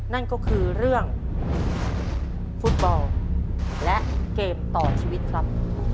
นั่นก็คือเรื่องฟุตบอลและเกมต่อชีวิตครับ